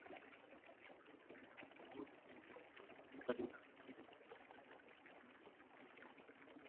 Saya membaca buku dari awal sampai akhir.